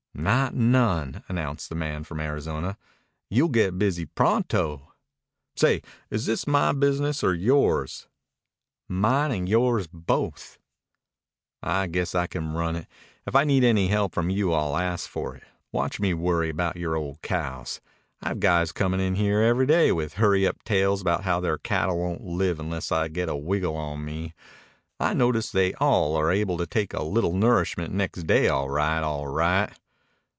"Not none," announced the man from Arizona. "You'll get busy pronto." "Say, is this my business or yours?" "Mine and yours both." "I guess I can run it. If I need any help from you I'll ask for it. Watch me worry about your old cows. I have guys coming in here every day with hurry up tales about how their cattle won't live unless I get a wiggle on me. I notice they all are able to take a little nourishment next day all right, all right."